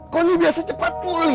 kau ini biasa cepat pulih